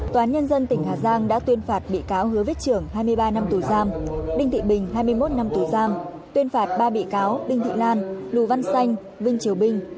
tòa án nhân dân tỉnh hà giang đã tuyên phạt bị cáo hứa viết trưởng hai mươi ba năm tù giam đinh thị bình hai mươi một năm tù giam tuyên phạt ba bị cáo đinh thị lan lù văn xanh vinh triều bình